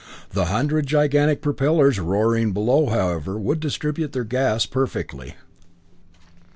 The hundred gigantic propellers roaring below, however, would distribute their gas perfectly.